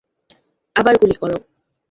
আবার গুলি করো।